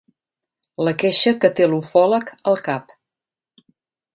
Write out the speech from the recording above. La queixa que té l'ufòleg al cap.